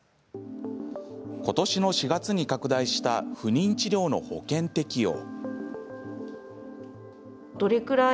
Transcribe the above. ことしの４月に拡大した不妊治療の保険適用。